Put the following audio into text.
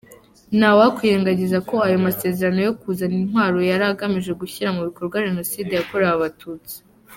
Ntawakwirengagiza ko ayo masezerano yo kuzana intwaro yaragamije gushyira mu bikorwa Jenoside yakorewe Abatutsi.